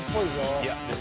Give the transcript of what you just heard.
いやでも。